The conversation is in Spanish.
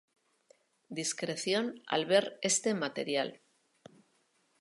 discreción al ver este material